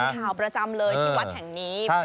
ข่าวประจำเลยที่วัดแห่งนี้